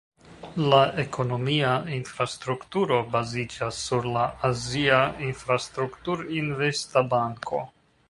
La ekonomia infrastrukturo baziĝas sur la Azia Infrastrukturinvesta Banko.